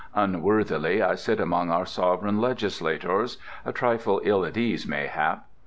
Unworthily I sit among our sovereign legislators, a trifle ill at ease mayhap.